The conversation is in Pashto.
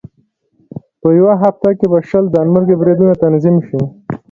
په یوه هفته کې به شل ځانمرګي بریدونه تنظیم شي.